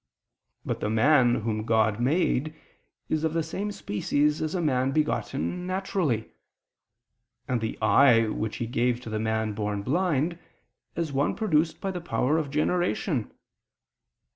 But the man whom God made, is of the same species as a man begotten naturally; and the eye which He gave to the man born blind, as one produced by the power of generation.